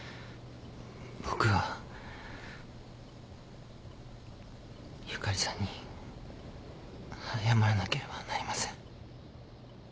僕はゆかりさんに謝らなければなりません。